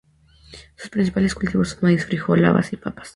Sus principales cultivos son: maíz, frijol, habas y papas.